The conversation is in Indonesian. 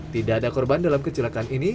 tidak ada korban dalam kecelakaan ini